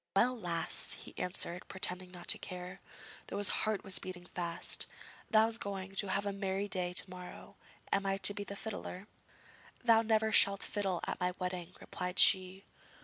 'Well, lass,' he answered, pretending not to care, though his heart was beating fast; 'thou's going to have a merry day to morrow; am I to be the fiddler?' 'Thou never shalt fiddle at my wedding,' replied she.